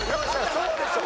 そうでしょ。